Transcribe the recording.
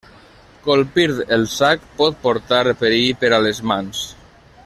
Colpir el sac pot portar perill per a les mans.